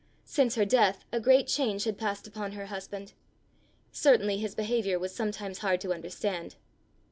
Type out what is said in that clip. Since her death a great change had passed upon her husband. Certainly his behaviour was sometimes hard to understand.